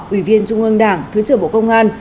ủy viên trung ương đảng thứ trưởng bộ công an